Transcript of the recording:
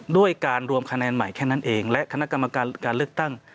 ด้วยการรวมคะแนนใหม่แค่นั้นเองและคณะกรรมการการเลือกตั้ง